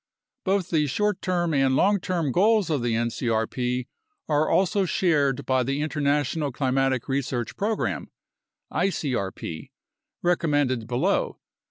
Both the short term and long term goals of the ncrp are also shared by the International Climatic Research Program (icrp) recommended below.